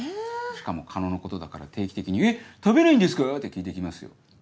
しかも狩野のことだから定期的に「え？食べないんですか！」って聞いて来ますよ。